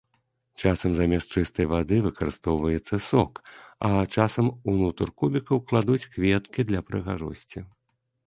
Часам замест чыстай вады выкарыстоўваецца сок, а часам ўнутр кубікаў кладуць кветкі для прыгажосці.